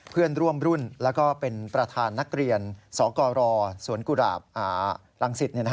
เพื่อนร่วมรุ่นแล้วก็เป็นประธานนักเรียนสกรสวนกุหลาบรังสิต